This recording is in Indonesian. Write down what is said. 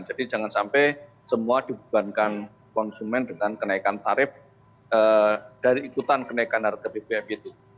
jadi jangan sampai semua dibubankan konsumen dengan kenaikan tarif dari ikutan kenaikan harga bbm itu